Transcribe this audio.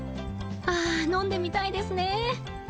ああ、飲んでみたいですね。